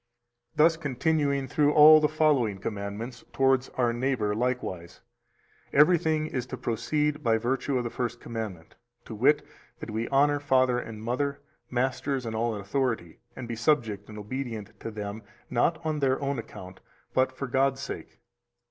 327 Thus continuing through all the following commandments towards our neighbor likewise, everything is to proceed by virtue of the First Commandment, to wit, that we honor father and mother, masters, and all in authority, and be subject and obedient to them, not on their own account, but for God's sake.